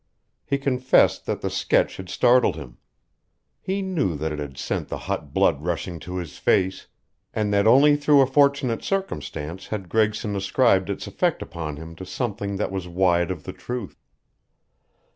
He confessed that the sketch had startled him. He knew that it had sent the hot blood rushing to his face, and that only through a fortunate circumstance had Gregson ascribed its effect upon him to something that was wide of the truth.